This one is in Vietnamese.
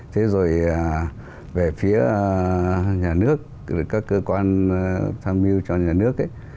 thế rồi về phía nhà nước các cơ quan tham mưu cho nhà nước ấy